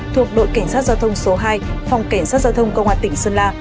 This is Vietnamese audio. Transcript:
thuộc đội cảnh sát giao thông số hai phòng cảnh sát giao thông công an tỉnh sơn la